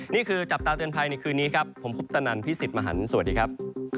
นี่คือจับตาเตือนภัยในคืนนี้ครับผมคุปตนันพี่สิทธิ์มหันฯสวัสดีครับ